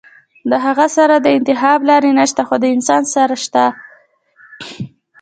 د هغه سره د انتخاب لارې نشته خو د انسان سره شته -